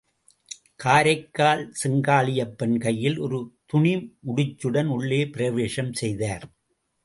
காரைக்கால் செங்காளியப்பன் கையில் ஒரு துணி முடிச்சுடன் உள்ளே பிரவேசம் செய்தார்.